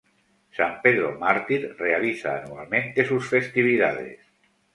San Pedro Mártir realiza anualmente sus festividades.